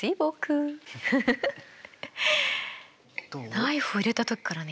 ナイフ入れた時からね